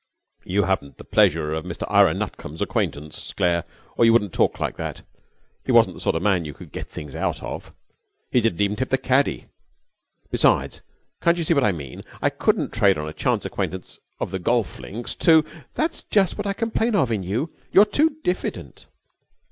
'You haven't the pleasure of Mr Ira Nutcombe's acquaintance, Claire, or you wouldn't talk like that. He wasn't the sort of man you could get things out of. He didn't even tip the caddie. Besides, can't you see what I mean? I couldn't trade on a chance acquaintance of the golf links to ' 'That is just what I complain of in you. You're too diffident.'